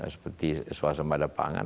seperti suasana pada pangan